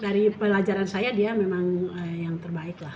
dari pelajaran saya dia memang yang terbaik lah